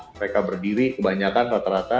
mereka berdiri kebanyakan rata rata